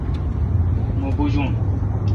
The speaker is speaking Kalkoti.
مہ بوجون۔